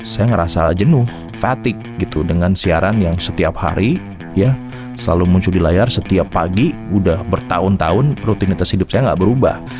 saya ngerasa jenuh fatigue gitu dengan siaran yang setiap hari ya selalu muncul di layar setiap pagi udah bertahun tahun rutinitas hidup saya gak berubah